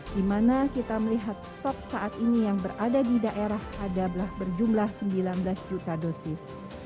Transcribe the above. di mana kita melihat stok saat ini yang berada di daerah ada berjumlah sembilan belas juta dosis